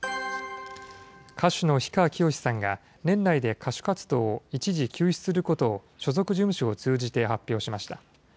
歌手の氷川きよしさんが年内で歌手活動を一時休止することを所属事務所を通じて発表しました。